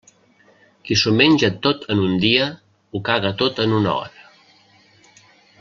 Qui s'ho menja tot en un dia, ho caga tot en una hora.